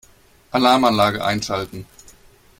Alarmanlage einschalten.